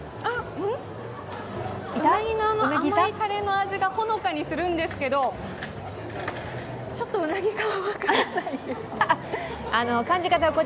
うなぎの甘い味がほのかにするんですけど、ちょっと、うなぎかは分からないですね。